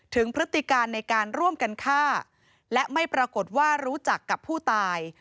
พฤติการในการร่วมกันฆ่าและไม่ปรากฏว่ารู้จักกับผู้ตาย